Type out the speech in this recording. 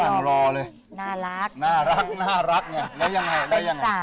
ครั้งนี้แหละนะ